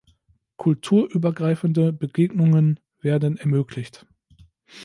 Kulturübergreifende Begegnungen werden ermöglicht.